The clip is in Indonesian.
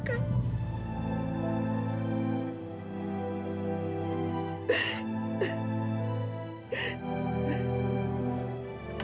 aku tak tahu kenapa